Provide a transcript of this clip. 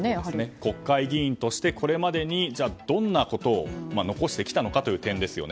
国会議員としてこれまでにどんなことを残してきたのかという点ですね。